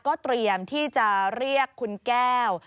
ก็เตรียมที่จะเรียกคุณแก้ว